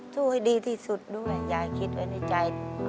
สู้ให้ดีที่สุดด้วยยายคิดไว้ในใจ